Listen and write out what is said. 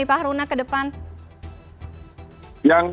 pak haruna ke depan